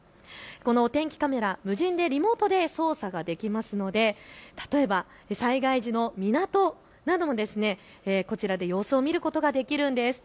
お天気カメラ、無人でリモートで操作ができますので例えば災害時の港などもこちらで様子を見ることができるんです。